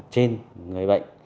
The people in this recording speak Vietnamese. trên người bệnh